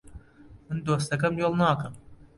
من دۆستەکەم وێڵ ناکەم